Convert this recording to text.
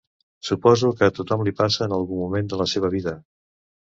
Suposo que a tothom li passa en algun moment de la seva vida.